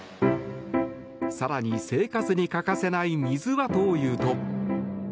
更に、生活に欠かせない水はというと。